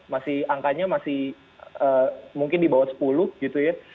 masih angkanya masih mungkin di bawah sepuluh gitu ya